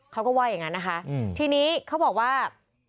เขาก็ว่าอย่างนั้นนะคะทีนี้เขาบอกว่า